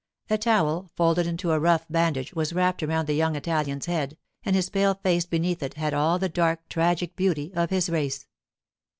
A towel, folded into a rough bandage, was wrapped around the young Italian's head, and his pale face beneath it had all the dark, tragic beauty of his race.